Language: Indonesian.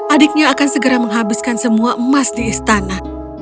adiknya akan segera menghabiskan semua emas di istana